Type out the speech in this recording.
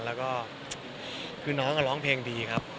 แล้วก็คือน้องก็ร้องเพลงดีครับ